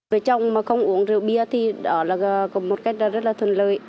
về chồng mà không uống rượu bia thì